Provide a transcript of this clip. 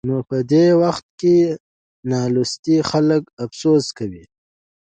نو په دې وخت کې نالوستي خلک افسوس کوي.